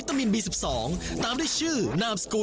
ภาพจริงครับผู้ชม